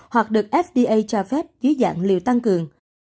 hoặc được fda cho phép dưới dạng liều tăng cường